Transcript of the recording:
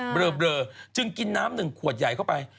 เบลอจึงกินน้ำหนึ่งขวดใหญ่เข้าไป